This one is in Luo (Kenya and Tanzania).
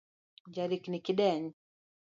Jarikni kideny